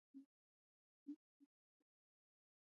ځمکنی شکل د افغانستان د طبیعت د ښکلا برخه ده.